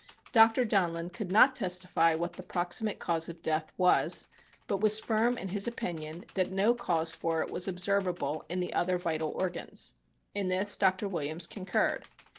Dr. Donlin could not testify what the proximate cause of death was, but was firm in his opinion that no cause for it was observable in the other vital organs. In this Dr. Williams concurred.